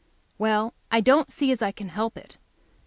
Well, I don't see as I can help it.